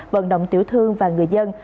vận động tiểu thương và người dân